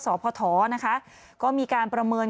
สพนะคะก็มีการประเมิน